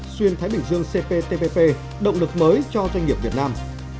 xuyên thái bình dương cptpp động lực mới cho doanh nghiệp việt nam